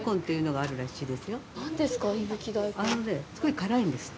あのね、すごい辛いんですって。